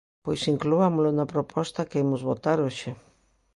Pois incluámolo na proposta que imos votar hoxe.